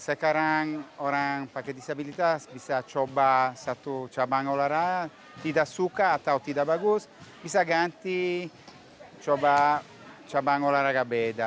sekarang orang pakai disabilitas bisa coba satu cabang olahraga tidak suka atau tidak bagus bisa ganti coba cabang olahraga beda